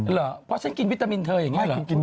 เพราะฉันกินวิตามินเธออย่างงั้นแหรอ